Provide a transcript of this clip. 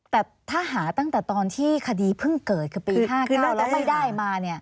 แต่ถ้าหาตั้งแต่ตอนที่คดีเพิ่งเกิดคือปี๕๙แล้วไม่ได้มา